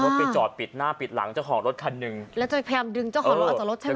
ไปจอดปิดหน้าปิดหลังเจ้าของรถคันหนึ่งแล้วจะพยายามดึงเจ้าของรถออกจากรถใช่ไหม